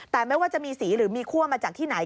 แต่ไม่ว่าจะมีสีหรือมีคั่วมาจากที่ไหน